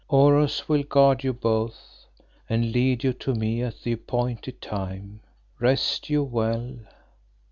"Oros will guard you both, and lead you to me at the appointed time. Rest you well."